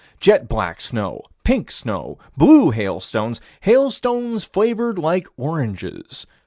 Jet black snow pink snow blue hailstones hailstones flavored like oranges.